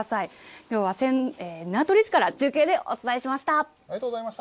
きょうは名取市から、中継でお伝ありがとうございました。